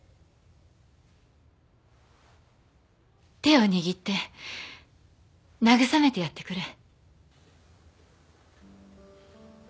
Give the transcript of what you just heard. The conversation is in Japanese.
手を握って慰めてやってくれ